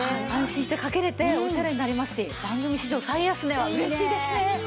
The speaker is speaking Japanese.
安心してかけられてオシャレになりますし番組史上最安値は嬉しいですね。